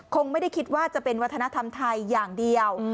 คงไม่ได้คิดว่าจะเป็นวัฒนธรรมไทยอย่างเดียว